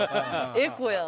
エコやん。